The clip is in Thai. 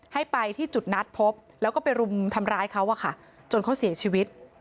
ให้ไปที่จุดนัดพบแล้วก็ไปรุมทำร้ายเขาอะค่ะจนเขาเสียชีวิต